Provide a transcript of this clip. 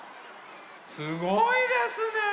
すごいですね。